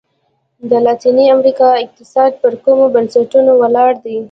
د لاتیني امریکا اقتصاد پر کومو بنسټونو ولاړ دی؟